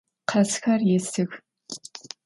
Къазхэр есых.